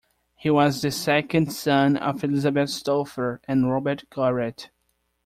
He was the second son of Elizabeth Stouffer and Robert Garrett.